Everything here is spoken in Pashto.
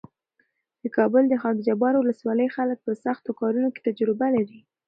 د کابل د خاکجبار ولسوالۍ خلک په سختو کارونو کې تجربه لري.